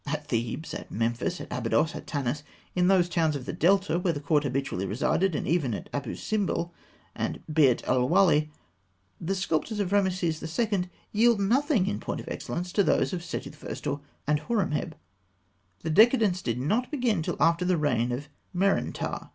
At Thebes, at Memphis, at Abydos, at Tanis, in those towns of the Delta where the court habitually resided, and even at Abû Simbel and Beit el Wally, the sculptors of Rameses II. yield nothing in point of excellence to those of Seti I. and Horemheb. The decadence did not begin till after the reign of Merenptah.